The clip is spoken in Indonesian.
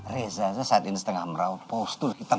reza saya saat ini sedang merawat power stone hitam